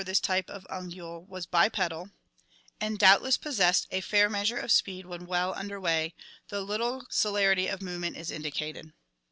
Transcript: this type of ungual, was bipedal 298 ORGANIC EVOLUTION and doubtless possessed a fair measure of speed when well under way, though little celerity of movement is indicated.